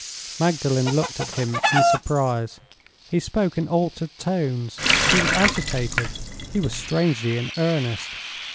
Magdalen looked at him in surprise. He spoke in altered tones. He was agitated; he was strangely in earnest.